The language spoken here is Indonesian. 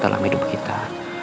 dalam hidup kita